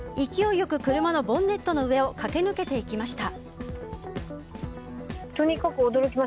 よく車のボンネットの上を駆け抜けていきました。